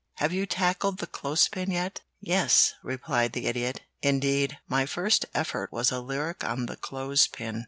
Have you tackled the clothes pin yet?" "Yes," replied the Idiot. "Indeed, my first effort was a lyric on the clothes pin.